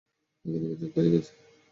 দেখে দেখে চোখ ক্ষয়ে গেছে।